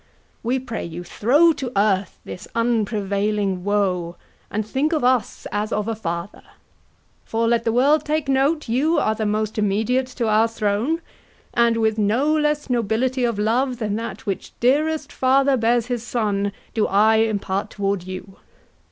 We pray you throw to earth This unprevailing woe, and think of us As of a father; for let the world take note You are the most immediate to our throne, And with no less nobility of love Than that which dearest father bears his son Do I impart toward you.